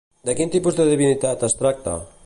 De quin tipus de divinitat es tracta?